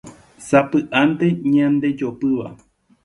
sapy'ánte ñandejopýva